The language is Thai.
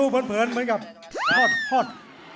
เผินเหมือนกับทอด